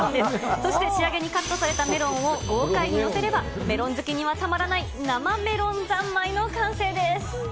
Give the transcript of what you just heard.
そしてカットされたメロンを豪快に載せれば、メロン好きにはたまらない生めろん三昧の完成です。